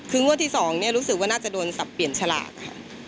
คืองวดที่๒รู้สึกว่าน่าจะโดนสับเปลี่ยนฉลากค่ะ